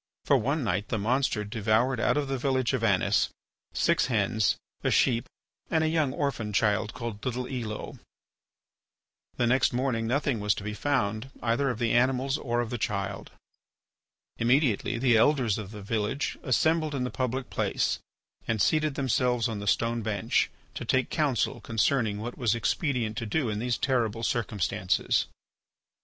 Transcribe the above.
For one night the monster devoured out of the village of Anis six hens, a sheep, and a young orphan child called little Elo. The next morning nothing was to be found either of the animals or of the child. Immediately the Elders of the village assembled in the public place and seated themselves on the stone bench to take counsel concerning what it was expedient to do in these terrible circumstances.